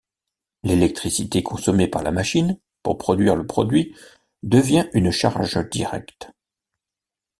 L'électricité consommée par la machine pour produire le produit devient une charge directe.